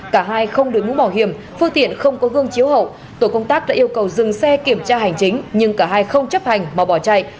cả hai không đối mũ bảo hiểm phương tiện không có gương chiếu hậu tổ công tác đã yêu cầu dừng xe kiểm tra hành chính nhưng cả hai không chấp hành mà bỏ chạy